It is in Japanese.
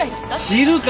知るか！